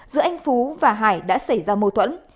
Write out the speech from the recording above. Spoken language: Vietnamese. giữa anh phú và hải đã xảy ra mâu thuẫn